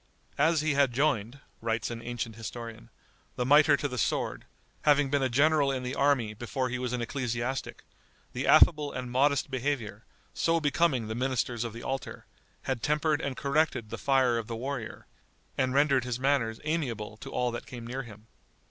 "As he had joined," writes an ancient historian, "the miter to the sword, having been a general in the army before he was an ecclesiastic, the affable and modest behaviour, so becoming the ministers of the altar, had tempered and corrected the fire of the warrior, and rendered his manners amiable to all that came near him."